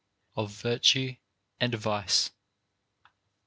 81 OF VIRTUE AND VICE.